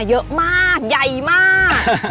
เยอะมากใหญ่มาก